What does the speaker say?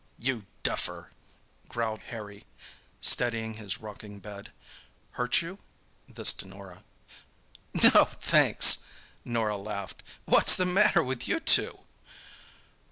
"You duffer!" growled Harry, steadying his rocking bed. "Hurt you? "—this to Norah. "No, thanks," Norah laughed. "What's the matter with you two?"